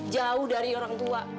jauh dari orang tua